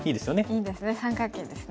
いいですね三角形ですね。